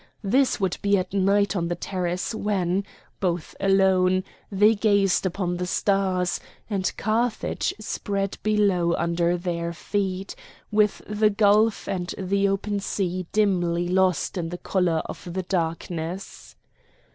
This would be at night on the terrace when, both alone, they gazed upon the stars, and Carthage spread below under their feet, with the gulf and the open sea dimly lost in the colour of the darkness.